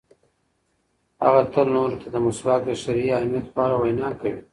هغه تل نورو ته د مسواک د شرعي اهمیت په اړه وینا کوي.